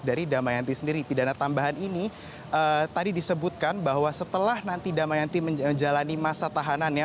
dari damayanti sendiri pidana tambahan ini tadi disebutkan bahwa setelah nanti damayanti menjalani masa tahanannya